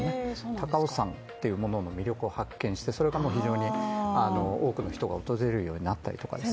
高尾山というものの魅力を発見してそれがもう非常に多くの人が訪れるようになったりとかね。